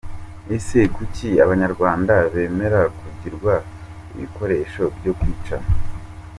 Ese kuki abanyarwanda bemera kugirwa ibikoresho byo kwicana?